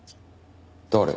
誰？